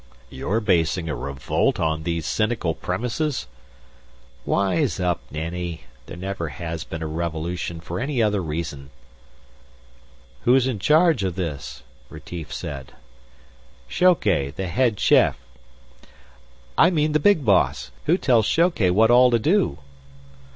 "You're basing a revolt on these cynical premises?" "Wise up, Nenni. There's never been a revolution for any other reason." "Who's in charge of this?" Retief said. "Shoke, the head chef." "I mean the big boss. Who tells Shoke what all to do?"